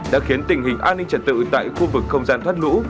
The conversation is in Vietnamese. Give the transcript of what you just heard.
đã khiến tình hình an ninh trật tự tại khu vực không gian thoát lũ